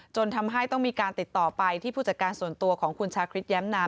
จนทำให้ต้องมีการติดต่อไปที่ผู้จัดการส่วนตัวของคุณชาคริสแย้มนาม